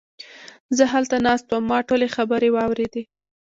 زه هلته ناست وم، ما ټولې خبرې واوريدې!